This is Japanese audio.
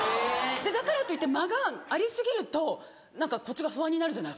だからといって間があり過ぎると何かこっちが不安になるじゃないですか。